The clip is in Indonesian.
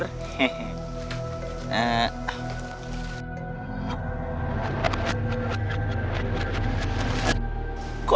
kok dia nanyain kain karuaku sih